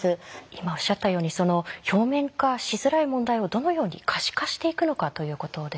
今おっしゃったように表面化しづらい問題をどのように可視化していくのかということですよね。